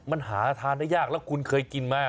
มันหาทานได้ยากแล้วคุณเคยกินมา